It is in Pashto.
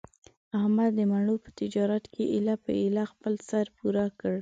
احمد د مڼو په تجارت کې ایله په ایله خپل سر پوره کړ.